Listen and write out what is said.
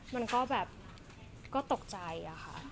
มันก็แบบก็ตกใจอะค่ะ